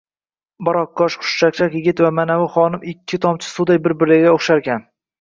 Baroqqosh, xushchaqchaq yigit va manavi xonim ikki tomchi suvday bir-birlariga o`xshar ekan